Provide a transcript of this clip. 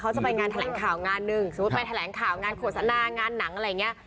เขาจะไปงานแถลงข่าวงานหนึ่งสมมุติไปแถลงข่าวงานโฆษณางานหนังอะไรอย่างนี้